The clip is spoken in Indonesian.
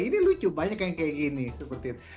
ini lucu banyak yang kayak gini seperti itu